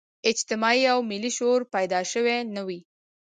اجتماعي او ملي شعور پیدا شوی نه وي.